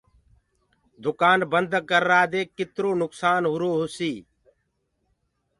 دُڪآن بنٚد ڪررآ دي ڪِترو نُڪسآن هرو هوسيٚ